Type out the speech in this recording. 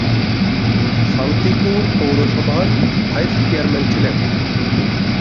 শান্তিপুর পৌরসভার vice chairman ছিলেন।